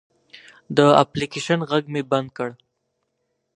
د اپلیکیشن غږ مې بند کړ.